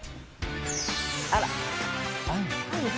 あら！